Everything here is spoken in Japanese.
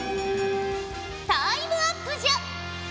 タイムアップじゃ。